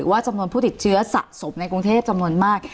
ว่าจำนวนผู้ติดเชื้อสะสมในกรุงเทพจำนวนมาก